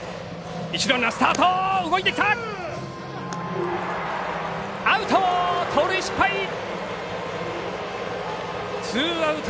一塁ランナースタート。